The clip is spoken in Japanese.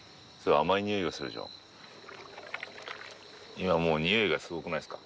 今もう匂いがすごくないですか？